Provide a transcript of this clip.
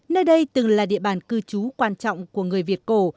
nơi đây từng là địa bàn cư trú quan trọng của người việt cổ